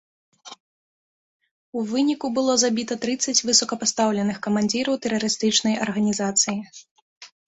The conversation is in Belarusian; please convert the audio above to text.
У выніку было забіта трыццаць высокапастаўленых камандзіраў тэрарыстычнай арганізацыі.